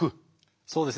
そうですね。